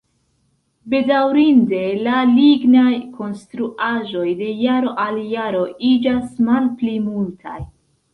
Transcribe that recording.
Bedaŭrinde, la lignaj konstruaĵoj de jaro al jaro iĝas malpli multaj.